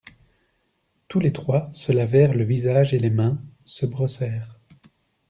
Tous les trois se lavèrent le visage et les mains, se brossèrent.